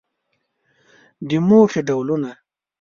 د موخې ډولونه